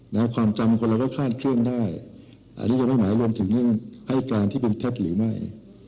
ความจำคนเราก็คาดเคลื่อนได้อันนี้ยังไม่หมายรวมถึงเรื่องให้การที่เป็นเท็จหรือไม่